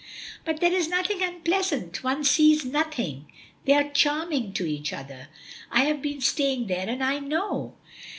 "But there is nothing unpleasant; one sees nothing. They are charming to each other. I have been staying there and I know."